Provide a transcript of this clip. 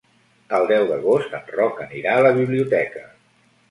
El deu d'agost en Roc anirà a la biblioteca.